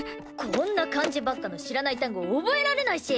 こーんな漢字ばっかの知らない単語覚えられないし！